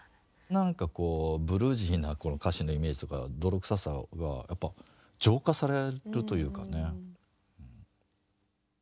なんかこうブルージーなこの歌詞のイメージとか泥臭さはやっぱ浄化されるというかね。